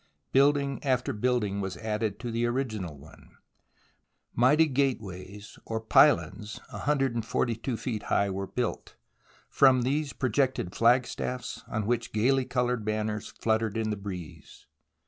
Building after building was added to the original one. Mighty gateways, or pylons, 142 feet high, were built, and from these projected flagstaff s on which gaily coloured banners fluttered in the breeze.